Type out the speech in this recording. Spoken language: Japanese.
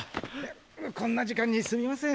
こんな時間にすみません。